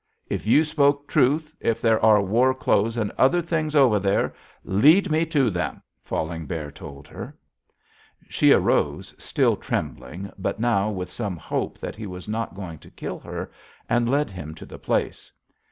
If you spoke truth, if there are war clothes and other things over there, lead me to them,' Falling Bear told her. "She arose, still trembling, but now with some hope that he was not going to kill her, and led him to the place.